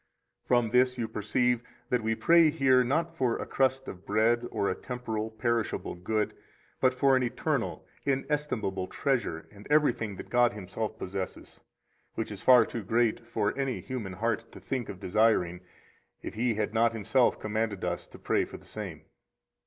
55 From this you perceive that we pray here not for a crust of bread or a temporal, perishable good, but for an eternal inestimable treasure and everything that God Himself possesses; which is far too great for any human heart to think of desiring if He had not Himself commanded us to pray for the same.